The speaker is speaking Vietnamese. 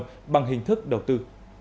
trong những hình thức đầu tư